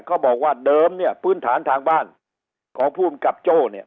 เขาบอกว่าเดิมเนี่ยพื้นฐานทางบ้านของภูมิกับโจ้เนี่ย